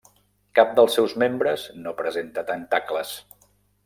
Cap dels seus membres no presenta tentacles.